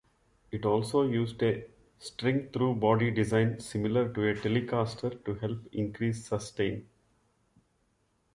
It also used a string-through-body design similar to a Telecaster to help increase sustain.